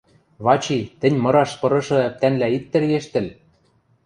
Вачи, тӹнь мыраш пырышы ӓптӓнлӓ ит тӹргештӹл!